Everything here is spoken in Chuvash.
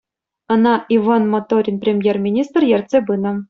Ӑна Ивӑн Моторин премьер-министр ертсе пынӑ.